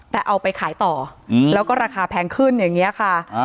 แต่เอาไปขายต่อแล้วก็ราคาแพงขึ้นอย่างนี้ค่ะ